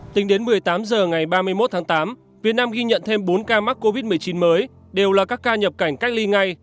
tính đến một mươi tám h ngày ba mươi một tháng tám việt nam ghi nhận thêm bốn ca mắc covid một mươi chín mới đều là các ca nhập cảnh cách ly ngay